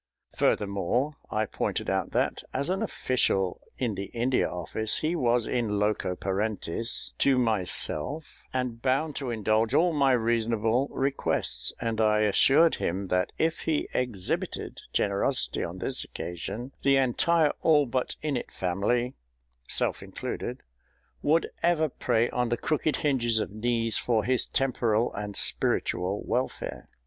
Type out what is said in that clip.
Furthermore, I pointed out that, as an official in the India Office, he was in loco parentis to myself, and bound to indulge all my reasonable requests, and I assured him that if he exhibited generosity on this occasion, the entire ALLBUTT INNETT family, self included, would ever pray on the crooked hinges of knees for his temporal and spiritual welfare.